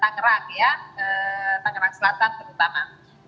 tangerang ya tangerang selatan terutama